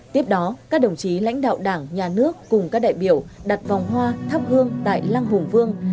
tiếp đó các đồng chí lãnh đạo đảng nhà nước cùng các đại biểu đặt vòng hoa thắp hương tại lăng hùng vương